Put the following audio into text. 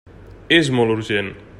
És molt urgent.